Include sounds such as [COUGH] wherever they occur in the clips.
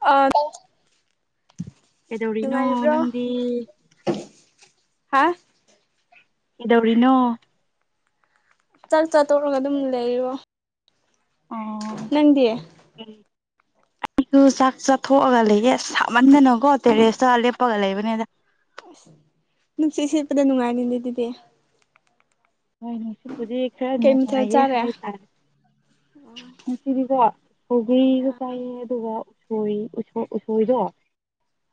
ꯑ ꯀꯩꯗꯧꯔꯤꯅꯣ ꯅꯨꯡꯉꯥꯏꯔꯤꯕ꯭ꯔꯣ ꯅꯪꯗꯤ ꯍꯥ ꯀꯩꯗꯧꯔꯤꯅꯣ ꯆꯥꯛ ꯆ ꯇꯤꯛꯔꯒ ꯑꯗꯨꯝ ꯂꯩꯔꯣ ꯑꯣ ꯅꯪꯗꯤ ꯑꯩꯁꯨ ꯆꯥꯛ ꯆꯥꯊꯣꯛꯑꯒ ꯂꯩꯌꯦ ꯁꯥꯃꯟꯗꯅꯀꯣ꯫ ꯇꯔꯦꯁꯇ ꯂꯦꯞꯄꯒ ꯂꯩꯕꯅꯦꯗ꯫ ꯅꯨꯡꯁꯤꯠ ꯁꯦꯠꯄꯗ ꯅꯨꯡꯉꯥꯏꯕꯅꯦ ꯑꯗꯨꯗꯤ꯫ ꯍꯣꯏ ꯅꯨꯡꯁꯤꯠꯄꯨꯗꯤ ꯈꯔ ꯀꯩ ꯃꯊꯦꯜ ꯅꯨꯡꯉꯥꯏꯌꯦ ꯆꯥꯔꯦ ꯍꯥꯏꯇꯥꯔꯦ ꯉꯁꯤꯗꯤꯀꯣ ꯁꯧꯒ꯭ꯔꯤꯁꯨ ꯆꯥꯏꯌꯦ ꯑꯗꯨꯒ ꯎꯁꯣꯏ ꯎꯁꯣꯏꯗꯣ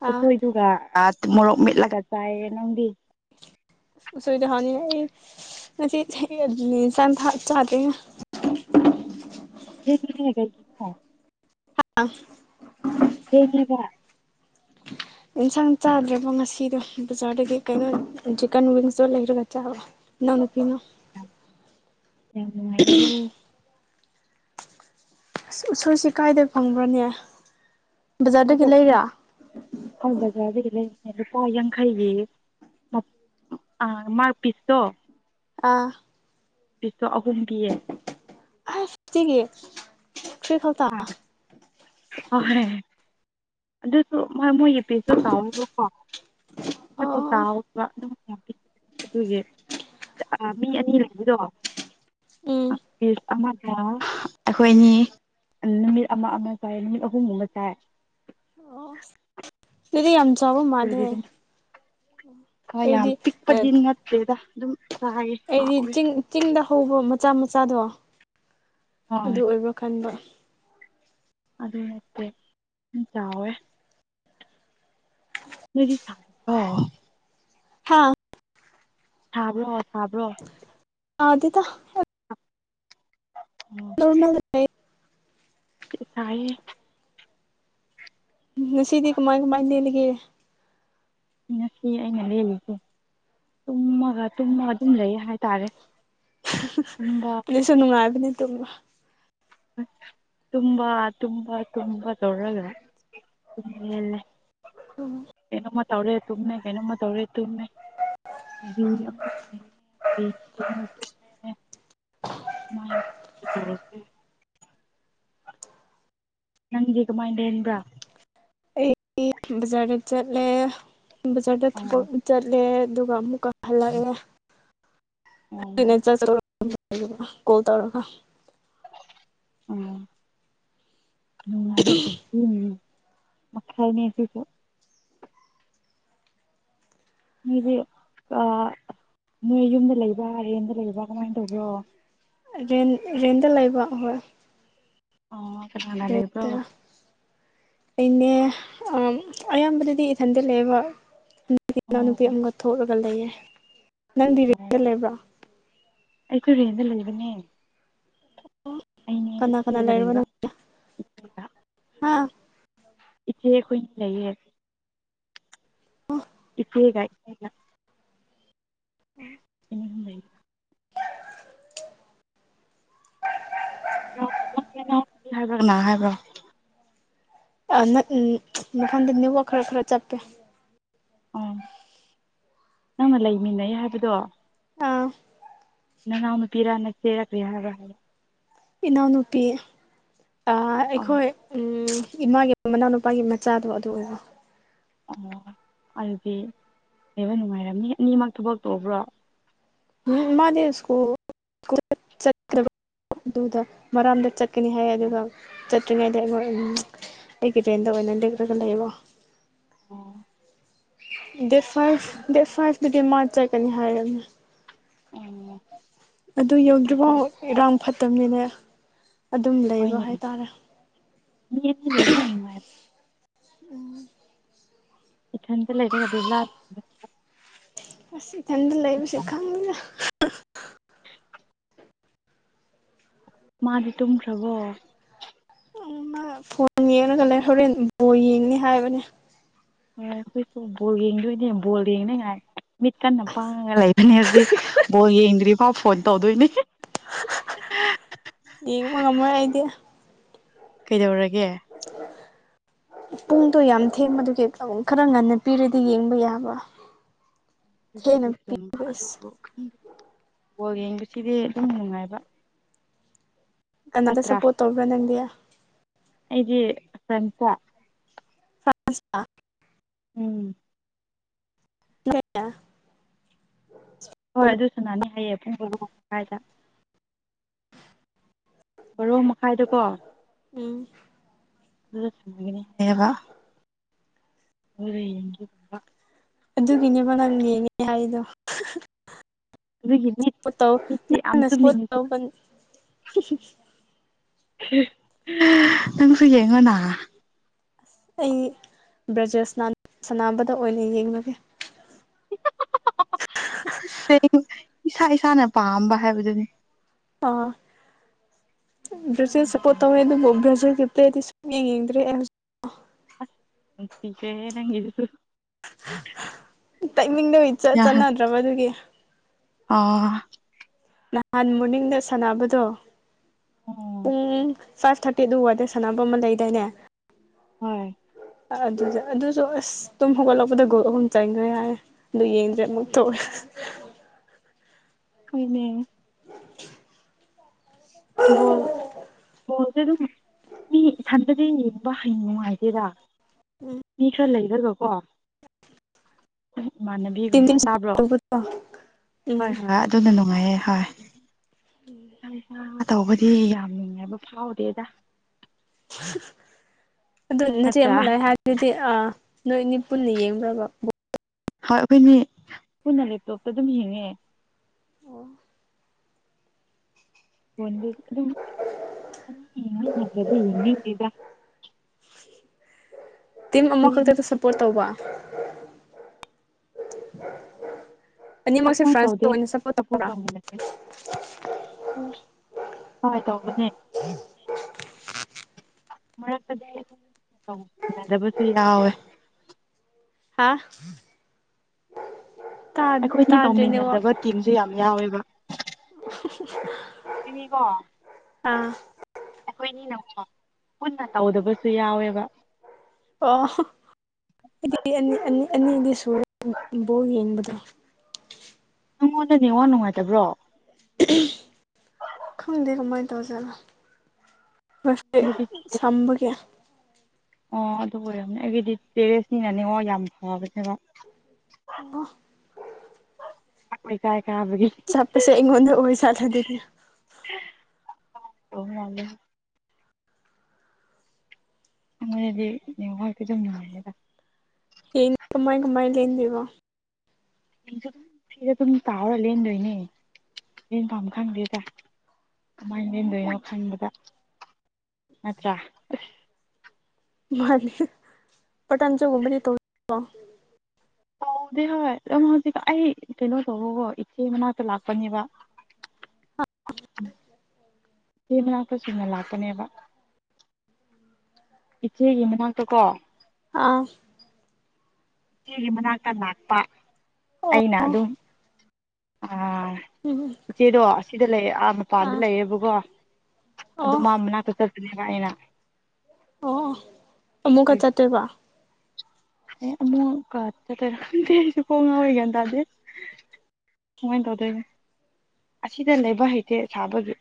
ꯑꯥ ꯎꯁꯣꯏꯗꯨꯒ ꯑꯥ ꯃꯣꯔꯣꯛ ꯃꯠꯂꯒ ꯆꯥꯏꯌꯦ ꯅꯪꯗꯤ꯫ ꯎꯁꯣꯏꯗꯣ ꯍꯥꯎꯅꯤ ꯉꯁꯤꯗꯤ ꯊꯦꯡꯅ ꯆꯥꯗ꯭ꯔꯤꯅ ꯉꯁꯤ ꯊꯦꯡꯉꯤ ꯀꯩꯒꯤ꯫ ꯊꯦꯡꯉꯦꯕ [UNINTELLIGIBLE] [UNINTELLIGIBLE] ꯌꯦꯟꯁꯥꯡ ꯆꯥꯗ꯭ꯔꯦꯕꯣ ꯉꯁꯤꯗꯣ ꯕꯖꯥꯔꯗꯒꯤ ꯀꯩꯅꯣ ꯆꯤꯛꯀꯟ ꯋꯤꯡꯁꯇꯣ ꯂꯩꯔꯒ ꯆꯥꯕ꯫ ꯅꯪ ꯅꯨꯄꯤꯅꯣ ꯌꯥꯝ ꯌꯥꯝ ꯅꯨꯡꯉꯥꯏꯌꯦꯀꯣ ꯑꯁ ꯎꯁꯣꯏꯁꯦ ꯀꯥꯏꯗ ꯐꯪꯕ꯭ꯔꯅꯦ꯫ ꯑꯣ ꯕꯖꯥꯔꯗꯒꯤ ꯂꯩꯔꯥ ꯈꯣꯏ ꯕꯖꯥꯔꯗꯒꯤ ꯂꯩꯅꯦ ꯂꯨꯄꯥ ꯌꯥꯡꯈꯩꯒꯤ꯫ ꯥ ꯃꯥꯔꯛ ꯄꯤꯁꯇꯣ ꯑꯥ ꯄꯤꯁꯇꯣ ꯑꯍꯨꯝ ꯄꯤꯌꯦ ꯍꯥꯢ ꯊꯤꯒꯤ ꯊꯔꯤꯐꯧ ꯇ ꯍꯥ ꯍꯣꯏ ꯑꯗꯨꯁꯨ ꯃꯣꯏ ꯃꯣꯏꯒꯤ ꯄꯤꯁꯇꯣ ꯆꯥꯎꯕꯀꯣ ꯑꯣ ꯑꯣ [UNINTELLIGIBLE] ꯑꯣ ꯇꯥꯎ ꯕ ꯑꯗꯨꯒꯤ ꯑ ꯃꯤ ꯑꯅꯤ ꯂꯩꯕꯗꯣ ꯎꯝ ꯄꯤꯁ ꯑꯃꯒ ꯑꯩꯈꯣꯏꯅꯤ ꯅꯨꯃꯤꯠ ꯑꯃ ꯑꯃ ꯆꯥꯏ ꯅꯨꯃꯤꯠ ꯑꯍꯨꯝꯒꯨꯝꯕ ꯆꯥꯏ ꯑꯣ ꯑꯗꯨꯗꯤ ꯌꯥꯝ ꯆꯥꯎꯕ ꯃꯥꯜꯂꯦ ꯍꯣꯏ ꯑꯩꯗꯤ ꯌꯥꯝ ꯄꯤꯛꯄꯗꯤ ꯅꯠꯇꯦꯗ ꯑꯗꯨꯝ ꯆꯥꯏꯌꯦ ꯑꯩꯗꯤ ꯍꯥꯎꯋꯦ ꯆꯤꯡ ꯆꯤꯡꯗ ꯍꯧꯕꯔꯣ ꯃꯆꯥ ꯃꯆꯥꯗꯣ ꯍꯣꯏ ꯑꯗꯨ ꯑꯣꯏꯕ꯭ꯔꯥ ꯈꯟꯕ ꯑꯗꯨ ꯅꯠꯇꯦ ꯏꯆꯥꯎꯋꯦ ꯅꯣꯏꯗꯤ ꯊꯛ ꯑꯣ ꯍꯥꯥ ꯁꯥꯕ꯭ꯔꯣ ꯁꯥꯕ꯭ꯔꯣ ꯑꯥꯗꯦꯗꯥ ꯑꯣ ꯑꯩ ꯑꯩꯗꯤ ꯁꯥꯏꯌꯦ ꯉꯥꯁꯤꯗꯤ ꯀꯃꯥꯏ ꯀꯃꯥꯏ ꯂꯦꯜꯂꯤꯒꯦ ꯉꯁꯤ ꯑꯩꯅ ꯂꯩꯂꯤꯁꯦ ꯇꯨꯝꯃꯒ ꯇꯨꯝꯃꯒ ꯑꯗꯨꯝ ꯂꯩ ꯍꯥꯏꯇꯥꯔꯦ ꯇꯨꯝꯕ ꯇꯨꯟ ꯅꯨꯡꯉꯥꯏꯕꯅꯦ ꯇꯨꯝꯕ ꯇꯨꯝꯕꯥ ꯇꯨꯝꯕꯥ ꯇꯨꯝꯕꯥ ꯇꯧꯔꯒ ꯂꯦꯜꯂꯦ ꯎꯝ ꯀꯩꯅꯣꯝꯃꯥ ꯇꯧꯔꯦ ꯇꯨꯝꯃꯦ ꯀꯩꯅꯣꯝꯃꯥ ꯇꯧꯔꯦ ꯇꯨꯝꯃꯦ [UNINTELLIGIBLE] ꯍ [UNINTELLIGIBLE] ꯀꯃꯥꯢꯅ ꯇꯧꯔꯥꯛꯀꯦ ꯅꯪꯗꯤ ꯀꯃꯥꯏ ꯂꯦꯟꯕꯔꯥ ꯑꯩ ꯏ ꯕꯖꯥꯔꯗ ꯆꯠꯂꯦ ꯕꯖꯥꯔꯗ ꯑꯣ ꯊꯕꯛ ꯆꯠꯂꯦ ꯑꯗꯨꯒ ꯑꯃꯨꯛꯀ ꯍꯜꯂꯒꯦ ꯑꯗꯨ ꯑꯣ ꯆꯠ ꯀꯣꯜ ꯇꯧꯔꯛ ꯑꯣ ꯎꯝ ꯅꯨꯡꯉꯥꯏꯕ ꯄꯨꯟꯁꯤꯅꯤ ꯃꯈꯥꯜꯅꯤ ꯑꯁꯤꯁꯨ ꯅꯣꯏꯗꯤ ꯑ ꯅꯣꯏ ꯌꯨꯝꯗ ꯂꯩꯕ꯭ꯔꯥ ꯔꯦꯟꯗ ꯂꯩꯕ꯭ꯔꯥ ꯀꯃꯥꯏꯅ ꯇꯧꯕ꯭ꯔꯣ ꯔꯦꯟ ꯔꯦꯟꯗ ꯂꯩꯕ ꯍꯣꯏ ꯑꯣ ꯀꯟꯅꯥ ꯀꯟꯅꯥ ꯔꯦꯟꯗ ꯂꯩꯕꯔꯣ ꯑꯩꯅꯦ ꯑꯝ ꯑꯌꯥꯝꯕꯗꯗꯤ ꯏꯊꯟꯗ ꯂꯩꯑꯦꯕ ꯑꯣ ꯏꯅꯥꯎꯅꯨꯄꯤ ꯑꯃꯀ ꯊꯣꯛꯂꯒ ꯂꯩꯌꯦ ꯅꯪ ꯗꯤ ꯔꯦꯟꯗ ꯂꯩꯕ꯭ꯔꯣ ꯑꯩꯈꯣꯏ ꯔꯦꯟꯗ ꯂꯩꯕꯅꯦ ꯑꯩꯅꯦ ꯀꯅꯥ ꯀꯅꯥ ꯏꯆꯦꯒ ꯂꯩꯕꯔꯥ ꯂꯩꯕ ꯅꯪꯗꯤ ꯏꯆꯦꯒ ꯍꯥ ꯏꯆꯦ ꯑꯩꯈꯣꯏ ꯑꯅꯤ ꯂꯩꯌꯦ ꯑꯣ ꯏꯆꯦꯒ ꯏꯆꯦꯒꯥ ꯑꯣ ꯑꯩ ꯍꯨꯝ ꯂꯩ [INAUDIBLE] ꯍꯥꯏꯕ꯭ꯔ ꯀꯟꯅꯥ ꯍꯥꯏꯕ꯭ꯔꯣ꯫ ꯑ ꯅꯠ ꯎꯝ ꯃꯐꯝꯗ ꯅꯦꯠꯋꯥꯔꯛ ꯈꯔ ꯈꯔ ꯆꯞꯄꯦ꯫ ꯑꯣ ꯅꯪꯒ ꯂꯩꯃꯤꯟꯅꯩ ꯍꯥꯏꯕꯗꯣ꯫ ꯑꯥ꯫ ꯅꯅꯥꯎ ꯅꯨꯄꯤꯔ ꯅꯥꯆꯦꯔꯥ ꯀꯔꯤ ꯍꯥꯏꯕ꯭ꯔ [INAUDIBLE] ꯏꯅꯥꯎꯅꯨꯄꯤ ꯑꯥ ꯑꯣ ꯑꯩꯈꯣꯏ ꯎꯝ ꯏꯃꯥꯒꯤ ꯃꯅꯥꯎꯅꯨꯄꯥꯒꯤ ꯃꯆꯥꯗꯣ ꯑꯗꯨꯒꯀꯣ꯫ ꯑꯣ ꯑꯗꯨꯗꯤ ꯂꯩꯕ ꯅꯨꯡꯉꯥꯏꯔꯝꯅꯤ ꯑꯅꯤꯃꯛ ꯊꯕꯛ ꯇꯧꯕ꯭ꯔꯣ꯫ ꯎꯝ ꯃꯥꯗꯤ ꯁꯨꯀꯨꯜ [INAUDIBLE] ꯆꯠꯇꯕ ꯑꯗꯨꯗ ꯃꯔꯥꯝꯗ ꯆꯠ ꯀꯅꯤ ꯍꯥꯏꯌꯦ ꯑꯗꯨꯒ ꯆꯠꯇ꯭ꯔꯤꯉꯩꯗ ꯑꯩꯉꯣꯟ ꯎꯝ ꯑꯩꯒꯤ ꯔꯦꯟꯗ ꯑꯣꯏꯅ ꯂꯦꯛꯔꯒ ꯂꯩꯕ꯫ ꯑꯣ꯫ ꯗꯦꯠ ꯐꯥꯏꯚ ꯗꯦꯠ ꯐꯥꯏꯚꯇꯗꯤ ꯃꯥ ꯆꯠꯀꯅꯤ ꯍꯥꯏ [UNINTELLIGIBLE] ꯑꯣ꯫ ꯑꯗꯨ ꯌꯧꯗ꯭ꯔꯤꯐꯥꯎ ꯏꯔꯥꯡ ꯐꯠꯇꯕꯅꯤꯅ ꯑꯗꯨꯝ ꯂꯩꯕ ꯍꯣꯏꯅꯦ ꯍꯥꯏꯇꯥꯔꯦ꯫ ꯃꯤ ꯑꯅꯤ ꯂꯩꯕꯅ ꯅꯨꯡꯉꯥꯏꯕ ꯏꯊꯟꯇ ꯂꯩꯔꯒ ꯕꯤꯕꯨꯂꯥ ꯑꯁ ꯏꯊꯟꯗ ꯂꯩꯕꯁꯦ ꯅꯠꯇ꯭ꯔꯥ ꯈꯪꯗꯦꯗ꯫ ꯃꯥꯗꯤ ꯇꯨꯝꯈ꯭ꯔꯕꯣ꯫ ꯎꯝ ꯃꯥ ꯐꯣꯟ ꯌꯦꯡꯔꯒ ꯂꯩ ꯍꯧꯔꯦꯟ ꯕꯣꯜ ꯌꯦꯡꯅꯤ ꯍꯥꯏꯕꯅꯦ꯫ ꯍꯣꯏ ꯑꯩꯈꯣꯏꯁꯨ ꯕꯣꯜ ꯌꯦꯡꯗꯣꯏꯅꯦ ꯕꯣꯜ ꯌꯦꯡꯅꯉꯥꯏ ꯃꯤꯠ ꯀꯟꯅ ꯑꯁ ꯄꯥꯡꯉꯒ ꯂꯩꯕꯅꯦ ꯍꯧꯖꯤꯛ ꯕꯣꯜ ꯌꯦꯡꯗ꯭ꯔꯤꯐꯥꯎ ꯐꯣꯟ ꯇꯧꯗꯣꯏꯅꯦ꯫ ꯌꯦꯡꯕ ꯉꯝꯃꯣꯏ ꯑꯩꯗꯤ꯫ ꯀꯩꯗꯧꯔꯒꯦ꯫ ꯄꯨꯡꯗꯣ ꯌꯥꯝ ꯊꯦꯡꯕꯗꯨꯒꯤ ꯑꯧ ꯈꯔ ꯉꯟꯅ ꯄꯤꯔꯗꯤ ꯌꯦꯡꯕ ꯌꯥꯕ꯫ ꯊꯦꯡꯅ ꯗꯨꯒꯤꯗꯤ ꯆꯨꯝꯕ ꯄꯤꯕ ꯏꯁ ꯑꯗꯨꯕꯨ ꯈꯪꯗꯦ ꯕꯣꯜ ꯌꯦꯡꯕꯁꯤꯗꯤ ꯑꯗꯨꯝ ꯅꯨꯡꯉꯥꯏꯕ꯫ ꯀꯅꯥꯗ ꯅꯠꯇ꯭ꯔꯥ ꯁꯞꯄꯣꯔꯠ ꯇꯧꯕ꯭ꯔ ꯅꯪꯗꯤ꯫ ꯑꯩꯗꯤ ꯐ꯭ꯔꯦꯟꯁꯇ꯫ [INAUDIBLE] ꯎꯝ꯫ [INAUDIBLE] ꯍꯣꯏ ꯑꯗꯨ ꯁꯅꯥꯅꯤ ꯍꯥꯏꯌꯦ ꯄꯨꯡ ꯕꯥꯔꯣ ꯃꯈꯥꯏꯗ꯫ ꯕꯥꯔꯣ ꯃꯈꯥꯏꯗꯀꯣ꯫ ꯎꯝ ꯑꯗꯨꯗ ꯁꯥꯅꯒꯅꯤ [INAUDIBLE] ꯌꯦꯕ ꯑꯗꯨꯗ ꯌꯦꯡꯒꯦ꯫ ꯇꯧꯕ ꯑꯗꯨꯒꯤꯅꯦꯕ ꯅꯪ ꯌꯦꯡꯉꯦ ꯍꯥꯏꯗꯣ꯫ ꯑꯗꯨꯒꯤ [INAUDIBLE] ꯃꯤꯠ ꯁꯞꯄꯣꯠ ꯇꯧ ꯃꯤꯠꯁꯦ ꯌꯥꯝ ꯅꯪ ꯁꯞꯄꯣꯠ ꯇꯨꯝꯅꯤꯡꯉꯁꯨ ꯇꯧꯕ [UNINTELLIGIBLE] ꯅꯪꯁꯨ ꯌꯦꯡꯉꯣꯅ꯫ ꯑꯩ ꯕ꯭ꯔꯖꯦꯁ ꯁꯅꯥ-ꯁꯅꯥꯕꯗ ꯑꯣꯏꯅ ꯌꯦꯡꯉꯒꯦ꯫ ꯑꯁꯦꯡ ꯏꯁꯥ ꯏꯁꯥꯅ ꯄꯥꯝꯕ ꯍꯥꯏꯕꯗꯨꯅꯦ꯫ ꯑꯣ ꯕ꯭ꯔꯖꯤꯜ ꯏꯁꯥꯅ ꯁꯄꯣꯠ ꯄꯥꯝ ꯇꯧꯋꯦ ꯑꯗꯨꯕꯨ ꯕ꯭ꯔꯖꯤꯜꯒꯤ ꯄ꯭ꯂꯦꯗꯤ ꯁꯨꯡ ꯌꯦꯡꯗ꯭ꯔꯦ ꯑꯩ [UNINTELLIGIBLE] ꯑꯁ ꯅꯨꯡꯁꯦꯍꯦ ꯅꯪꯒꯤꯗꯨꯁꯨ꯫ ꯇꯥꯏꯃꯤꯡꯗꯣ ꯏꯆꯥ ꯌꯥ ꯆꯥꯅꯗ꯭ꯔꯕ ꯑꯗꯨꯒꯤ꯫ ꯑꯣ꯫ ꯅꯍꯥꯟ ꯃꯣꯔꯅꯤꯡꯗ ꯁꯥꯟꯅꯕꯗꯣ ꯄꯨꯡ ꯐꯥꯏꯚ ꯊꯥꯔꯇꯤ ꯑꯗꯨ ꯋꯥꯏꯗ ꯁꯥꯟꯅꯕꯝ ꯑꯃ ꯂꯩꯗꯥꯏꯅꯦ ꯍꯣꯏ ꯑꯗꯨꯗ ꯑꯗꯨꯁꯨ ꯑꯁ ꯇꯨꯝ ꯍꯧꯒꯠꯂꯛꯄꯗ ꯒꯣꯜ ꯑꯍꯨꯝ ꯆꯪꯒ꯭ꯔꯦ ꯍꯥꯏꯔꯦ ꯑꯗꯨ ꯌꯦꯡꯗ꯭ꯔꯦ ꯑꯃꯨꯛ ꯇꯣꯛꯑꯦ ꯍꯨꯏꯅꯦ ꯕꯣꯜ ꯕꯣꯜꯁꯦ ꯑꯗꯨꯝ ꯃꯤ ꯏꯊꯟꯇꯗꯤ ꯌꯦꯡꯕ ꯍꯩ ꯅꯨꯡꯉꯥꯏꯇꯦꯗ ꯃꯤ ꯈꯔ ꯂꯩꯔꯒꯀꯣ ꯇꯤꯝ ꯏꯃꯥꯟꯅꯕꯤꯒꯨꯝꯕ ꯇꯤꯝ ꯁꯞꯄꯣꯔꯠ ꯇꯥꯕ꯭ꯔꯣ ꯇꯧꯕꯗꯣ ꯍꯣꯏ ꯎꯝ ꯍꯣꯏ ꯇꯨꯅ ꯅꯨꯡꯉꯥꯏꯌꯦ ꯍꯣꯏ ꯎꯝ ꯏꯁꯥ ꯏꯁꯥ ꯇꯧꯕꯗꯤ ꯌꯥꯝ ꯅꯨꯡꯉꯥꯏꯕ ꯐꯥꯎꯗꯦꯗ ꯑꯗꯨ ꯅꯠꯆꯦ ꯅꯠꯇ꯭ꯔꯥ ꯑꯃ ꯂꯩ ꯍꯥꯏ ꯗꯨꯗꯤ ꯑꯥ ꯅꯣꯏ ꯑꯅꯤ ꯄꯨꯟꯅ ꯌꯦꯡꯕ꯭ꯔꯥꯕ ꯕꯣ ꯍꯣꯏ ꯑꯩꯈꯣꯏꯅꯤ ꯄꯨꯟꯅ ꯂꯦꯞꯇꯣꯞꯇ ꯑꯗꯨꯝ ꯌꯦꯡꯉꯦ ꯕꯣꯟꯗꯤ ꯑꯗꯨꯝ [UNINTELLIGIBLE] ꯌꯦꯡꯅꯤꯡꯗꯦꯗ ꯇꯤꯝ ꯑꯩꯈꯣꯏꯅꯤꯗꯤ ꯑꯃꯈꯛꯇꯥꯗ ꯁꯞꯄꯣꯔꯠ ꯇꯧꯕ ꯑꯅꯤꯃꯛꯁꯦ ꯑꯗꯨꯃꯥꯏꯟ ꯇꯧꯗꯦ ꯐ꯭ꯔꯥꯟꯁꯇ ꯑꯣꯏꯅ ꯁꯞꯄꯣꯔꯠ ꯇꯧꯕ꯭ꯔꯥ ꯇꯧꯃꯤꯟꯅꯁꯤ ꯍꯣꯏ ꯇꯧꯕꯅꯦ [UNINTELLIGIBLE] ꯃꯔꯛꯇꯥꯗꯤ ꯇꯧꯃꯤꯟꯅꯗꯕꯁꯨ ꯌꯥꯎꯋꯦ ꯍꯥꯥ ꯑꯩꯈꯣꯏꯅꯤ ꯇꯥꯗ꯭ꯔꯦ ꯅꯦꯋꯥꯛ ꯇꯧꯃꯤꯟꯅꯗꯕ ꯇꯤꯝꯁꯨ ꯌꯥꯝ ꯌꯥꯎꯋꯦꯕ [UNINTELLIGIBLE] ꯆꯤꯅꯤꯀꯣ ꯑꯥ ꯑꯩꯈꯣꯏꯅꯤꯅꯀꯣ ꯄꯨꯟꯅ ꯇꯧꯗꯕꯁꯨ ꯌꯥꯎꯋꯦꯕ ꯑꯣ ꯍꯣ ꯑꯩꯗꯤ ꯑꯅꯤ ꯑꯅꯤ ꯑꯅꯤꯗꯤ ꯁꯨꯔꯦ ꯕꯣꯜ ꯌꯦꯡꯕꯗꯣ ꯅꯪꯉꯣꯟꯗ ꯅꯦꯋꯥꯛ ꯅꯨꯡꯉꯥꯏꯇꯕ꯭ꯔꯣ ꯎꯝ ꯈꯪꯗꯦ ꯀꯃꯥꯏꯟ ꯇꯧꯖꯥꯠꯅꯣ [UNINTELLIGIBLE] [UNINTELLIGIBLE] ꯑꯝꯕꯒꯤ ꯑꯣ ꯑꯗꯨ ꯑꯣꯏꯔꯝꯅꯤ ꯑꯩꯒꯤꯗꯤ ꯄꯦꯔꯦꯁꯅꯤꯅꯅꯦ ꯑꯣ ꯌꯥꯝ ꯐꯕꯅꯦꯕ [UNINTELLIGIBLE] ꯂꯩꯀꯥꯏ ꯀꯥꯕꯒꯤ ꯆꯞꯄꯁꯦ ꯑꯩꯉꯣꯟꯗ ꯑꯣꯏꯖꯠꯂꯥ ꯑꯗꯨꯗꯤ [INAUDIBLE] ꯇꯧ ꯃꯥꯜꯂꯦ ꯑꯩꯉꯣꯟꯗꯗꯤ ꯅꯦꯋꯥꯛꯇꯤ ꯗꯨꯝ ꯅꯨꯡꯉꯥꯏꯌꯦꯗ ꯌꯦꯡ ꯀꯃꯥꯏ ꯀꯃꯥꯏꯟ ꯂꯦꯟꯕꯤꯕꯣ ꯐꯤꯗ ꯑꯗꯨꯝ ꯐꯤꯗ ꯑꯗꯨꯝ ꯇꯥꯎꯔꯥ ꯂꯦꯟꯗꯣꯏꯅꯦ ꯂꯦꯟꯐꯥꯝ ꯈꯪꯗꯦꯗ ꯀꯃꯥꯏꯟ ꯂꯦꯟꯗꯣꯏꯅꯣ ꯈꯟꯕꯗ ꯅꯠꯇ꯭ꯔꯥ ꯃꯥꯅꯤ ꯄꯔꯇꯟ ꯆꯨꯒꯨꯝꯕꯗꯤ ꯇꯧ [UNINTELLIGIBLE] ꯇꯧꯗꯦ ꯍꯣꯏ ꯑꯗꯨꯝ ꯍꯧꯖꯤꯛ ꯑꯩ ꯀꯩꯅꯣ ꯇꯧꯕꯀꯣ ꯏꯆꯦ ꯃꯅꯥꯛꯇ ꯂꯥꯛꯄꯅꯦꯕ ꯏꯆꯦ ꯃꯅꯥꯛꯇꯥ ꯆꯨꯝꯅ ꯂꯥꯛꯄꯅꯦꯕ ꯏꯆꯦꯒꯤ ꯃꯅꯥꯛꯇꯥ ꯀꯣ ꯑꯥ ꯏꯆꯦꯒꯤ ꯃꯅꯥꯛꯇ ꯂꯥꯛꯄ ꯑꯣ ꯑꯩꯅ ꯑꯣ ꯑꯗꯨꯝ ꯑꯥ [UNINTELLIGIBLE] ꯏꯆꯦꯗꯣ ꯑꯁꯤꯗ ꯂꯩ ꯑꯥ ꯃꯄꯥꯟꯗ ꯂꯩꯌꯦꯕꯀꯣ ꯑꯣ ꯑꯗꯨ ꯃꯥ ꯑꯣ ꯃꯅꯥꯛꯇ ꯆꯠꯄꯅꯦꯕ ꯑꯩꯅ ꯑꯣ ꯑꯃꯨꯛꯀ ꯆꯠꯇꯣꯏꯕ ꯑꯦ ꯑꯃꯨꯛ ꯀ ꯆꯠꯇꯣꯏꯔ ꯈꯪꯗꯦ ꯑꯩꯖꯨ ꯀꯣꯛ ꯉꯥꯎꯔꯦ ꯒ꯭ꯌꯥꯟ ꯇꯥꯗꯦ ꯀꯃꯥꯏ ꯇꯧꯗꯣꯏꯅꯣ ꯑꯁꯤꯗ ꯂꯩꯕ ꯍꯩꯇꯦ ꯁꯥꯕꯒꯤ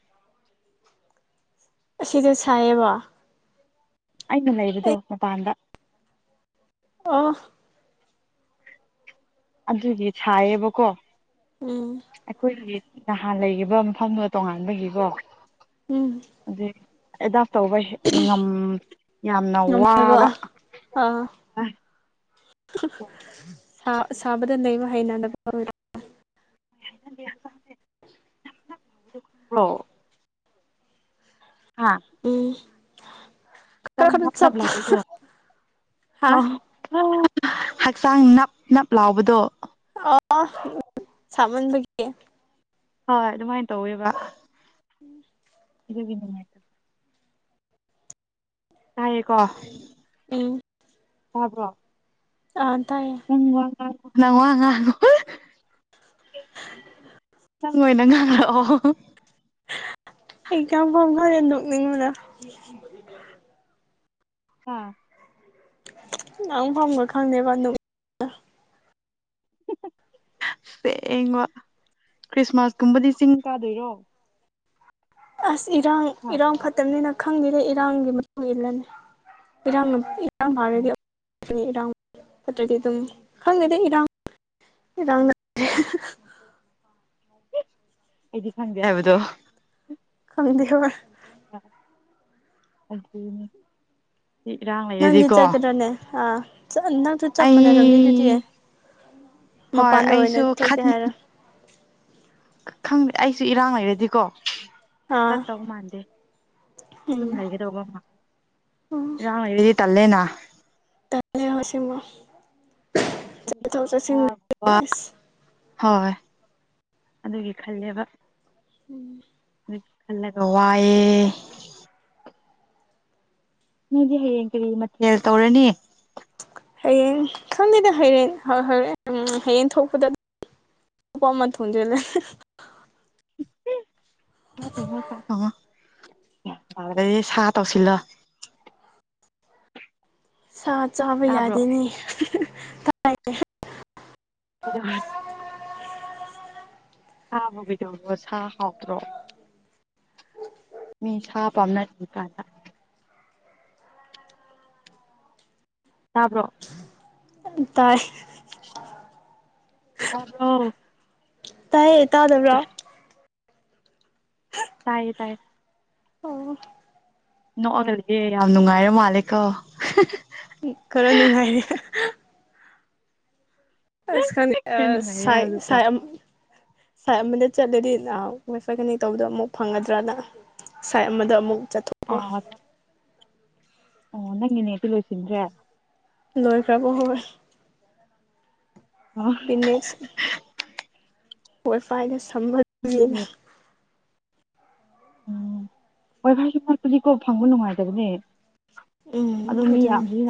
ꯑꯁꯤꯗ ꯁꯥꯏꯌꯦꯕ ꯑꯩꯅ ꯂꯩꯕꯗꯣ ꯑꯩ ꯃꯄꯥꯟꯗ ꯑꯣ ꯑꯗꯨꯒꯤ ꯁꯥꯏꯌꯦꯕꯀꯣ ꯎꯝ ꯑꯩꯈꯣꯏꯒꯤ ꯅꯍꯥꯟ ꯂꯩꯔꯤꯕ ꯃꯐꯝꯗꯣ ꯇꯣꯉꯥꯟꯕꯒꯤꯀꯣ ꯎꯝ ꯑꯗꯨꯒꯤ ꯑꯦꯗꯥꯞ ꯇꯧꯕꯩ ꯉꯝ ꯌꯥꯝꯅ ꯉꯝꯗꯕ ꯋꯥꯕ ꯑꯥ ꯁꯥ ꯁꯥꯕꯗ ꯂꯩꯕ ꯍꯩꯅ [UNINTELLIGIBLE] [UNINTELLIGIBLE] ꯈꯪꯕ꯭ꯔꯣ ꯍꯥꯥ [UNINTELLIGIBLE] ꯍꯛꯆꯥꯡ ꯅꯞ ꯅꯞ ꯆꯠꯄ ꯂꯥꯎꯕꯗꯣ ꯍꯥ ꯑꯥ [UNINTELLIGIBLE] ꯍꯛꯆꯥꯡ ꯅꯞ ꯅꯞ ꯂꯥꯎꯕꯗꯣ ꯑꫭ ꯑꯣ ꯁꯥꯃꯟꯕꯒꯤ ꯍꯣꯏ ꯑꯗꯨꯃꯥꯏ ꯇꯧꯋꯦꯕ [UNINTELLIGIBLE] ꯑꯗꯨꯒꯤꯗꯨꯅꯦ ꯇꯥꯏꯌꯦꯀꯣ ꯎꯝ ꯇꯥꯕ꯭ꯔꫭ ꯑꯥ ꯇꯥꯏꯌꯦ ꯎꯝ ꯋꯥ ꯉꯥꯡꯉꯣ ꯅꯪ ꯋꯥ ꯉꯥꯡꯉꯣ [UNINTELLIGIBLE] ꯅꯪ ꯑꯣꯏꯅ ꯉꯥꯡꯂꯛꯑꯣ ꯑꯩ ꯉꯥꯡꯐꯝ ꯈꯪꯗꯦ ꯅꯣꯛꯅꯤꯡꯕꯅ ꯑꯥ ꯉꯪꯐꯝꯒ ꯈꯪꯗ‌ꯦꯕ ꯅꫭꯛ ꯁꯦꯡꯕ ꯈ꯭ꯔꯤꯁꯃꯥꯁ ꯀꯨꯝꯕꯗꯤ ꯆꯤꯡ ꯀꯥꯗꯣꯏꯔꯣ ꯑꯁ ꯏꯔꯥꯡ ꯍꯥ ꯏꯔꯥꯡ ꯐꯛꯇꯝꯅꯤꯅ ꯈꯪꯗ‌ꯦꯗ ꯏꯔꯥꯡꯒꯤ ꯃꯇꯨꯡ ꯏꯜꯂꯅꯤ ꯏꯔꯥꯡꯅ ꯏ ꯔꯥꯡ ꯐꯔꯗꯤ ꯏꯔꯥꯡ ꯐꯠꯇ꯭ꯔꯗꯤ ꯑꯗꯨꯝ ꯈꯪꯗ‌ꯦꯗ ꯏꯔꯥꯡ ꯏꯔꯥꯡꯅ ꯑꯩꯗꯤ ꯈꯪꯗꯦ ꯍꯥꯏꯕꯗꯨ ꯈꯪꯗꯦꯕ ꯍꯣꯏ ꯑꯗꯨꯅꯦ ꯏꯔꯥꯡ ꯅꯪꯗꯤ ꯂꯩꯔꯗꯤꯀꯣ ꯆꯠꯀꯗ꯭ꯔꯅꯦ ꯑꯥ ꯅꯪꯁꯨ ꯆꯞ ꯑꯩ ꯃꯥꯟꯅꯔꯝꯅꯤ ꯑꯗꯨꯗꯤ ꯍꯣꯏ ꯃꯄꯥꯟꯗ ꯑꯣꯏꯅ ꯑꯩꯁꯨ ꯊꯣꯛꯀꯦ ꯈꯟ ꯍꯥꯏꯔ ꯈꯪꯗꯦ ꯑꯩꯁꯨ ꯏꯔꯥꯡ ꯂꯩꯔꯗꯤꯀꯣ ꯑꯥ ꯆꯠꯇꯧ ꯃꯥꯟꯗꯦ ꯎꯝ ꯗꯨꯝ ꯂꯩꯒꯗꯧꯕ ꯃꯥꯟ ꯎꯝ ꯏꯔꯥꯡ ꯂꯩꯔꯗꯤ ꯇꯜꯂꯦꯅ ꯇꯜꯂ‌ꯦ ꯍꯣꯏ ꯑꯁ‌ꯦꯡꯕ [INAUDIBLE] ꯍꯣꯏ ꯑꯗꯨꯒꯤ ꯈꯜꯂꯦꯕ [UNINTELLIGIBLE] ꯗꯨꯒꯤ ꯈꯜꯂꯒ ꯋꯥꯏꯌꯦ ꯅꯣꯏꯗꯤ ꯍꯌꯦꯡ ꯀꯔꯤ ꯃꯊꯦꯜ ꯇꯧꯔꯅꯤ ꯍꯌꯦꯡ ꯈꯪꯗꯦꯗ ꯍꯌꯦꯡ ꯍ ꯍ ꯍꯣꯔꯦꯟ ꯎꯝ ꯍꯌꯦꯡ ꯊꯣꯛꯄꯗ ꯄ ꯑꯃ ꯊꯣꯟꯖꯤꯜꯂꯦ ꯁꯥ ꯊꯣꯡꯉꯣ ꯁꯥ ꯊꯣꯡꯉꯣ ꯑꯗꯨꯗꯩꯗꯤ ꯁꯥ ꯇꯧꯁꯤꯜꯂꯣ ꯁꯥ ꯆꯥꯕ ꯇꯥꯕ꯭ꯔꯣ ꯌꯥꯗꯦꯅ‌ꯦ ꯀꯩꯗꯧꯔꯦ ꯁꯥꯕꯨ ꯀꯩꯗꯧꯔꯕꯣ ꯁꯥ ꯍꯥꯎꯇ꯭ꯔꯣ ꯃꯤ ꯁꯥ ꯄꯝꯅꯔꯤꯀꯥꯟꯗ ꯇꯥꯕ꯭ꯔꯣ ꯎꯝ ꯇꯥꯏ ꯇꯥꯕ꯭ꯔꯣ ꯇꯥꯏꯌꯦ ꯇꯥꯗꯕ꯭ꯔꯣ ꯑꯁ ꯇꯥꯏꯌꯦ ꯇꯥꯏꯌꯦ ꯑꯣ ꯅꯣꯛꯑꯒꯗꯤ ꯌꯥꯝ ꯅꯨꯡꯉꯥꯏꯔ ꯃꯥꯜꯂꯦꯀꯣ ꯈꯔ ꯅꯨꯡꯉꯥꯏꯔꯦ ꯑꯁ ꯈꯪꯗ‌ꯦ ꯈꯔ ꯑ ꯅꯨꯡꯉꯥꯏꯔꯦ ꯁꯥꯏ ꯍꯥꯏꯕꯗꯨꯇ ꯁꯥꯏ ꯑꯝ ꯁꯥꯏ ꯑꯃꯗ ꯆꯠꯂꯗꯤ ꯅꯥꯎ ꯋꯦꯠ ꯐꯥꯏꯒꯅꯤꯡ ꯇꯧꯕꯗꯣ ꯑꯃꯨꯛ ꯐꯪꯒꯗ꯭ꯔꯅ ꯁꯥꯏ ꯑꯃꯗ ꯑꯃꯨꯛ ꯆꯠꯊꯣꯛ ꯑꯥꯗꯣ ꯑꯣ ꯅꯪꯒꯤ ꯅꯦꯠꯇꯨ ꯂꯣꯏꯁꯤꯟꯈ꯭ꯔꯦ ꯂꯣꯏ ꯈ꯭ꯔꯥꯕ ꯍꯣꯏ ꯑꯣ ꯋꯥꯏ ꯐꯥꯏꯗ ꯁꯝꯕ ꯑꯗꯨꯅꯦ ꯎꯝ ꯋꯥꯏ ꯐꯥꯏꯁꯨ ꯐꯪꯗ꯭ꯔꯤꯀꯣ ꯐꯪꯕ ꯅꯨꯡꯉꯥꯏꯇꯕꯅꯦ ꯎꯝ ꯑꯗꯨ ꯃꯤ ꯑꯗꯨꯅꯤ ꯌꯥꯝꯖꯨ ꯅꯥꯏ